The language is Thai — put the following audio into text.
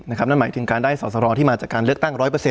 นั่นหมายถึงการได้สอสรที่มาจากการเลือกตั้ง๑๐๐